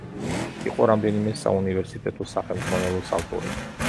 იყო რამდენიმე საუნივერსიტეტო სახელმძღვანელოს ავტორი.